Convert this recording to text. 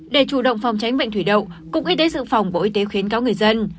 để chủ động phòng tránh bệnh thủy đậu cục y tế dự phòng bộ y tế khuyến cáo người dân